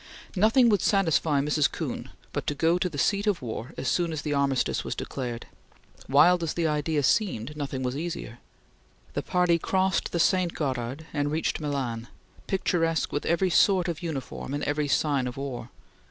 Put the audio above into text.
Nothing would satisfy Mrs. Kuhn but to go to the seat of war as soon as the armistice was declared. Wild as the idea seemed, nothing was easier. The party crossed the St. Gothard and reached Milan, picturesque with every sort of uniform and every sign of war.